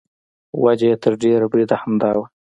وجه یې تر ډېره بریده همدا وه.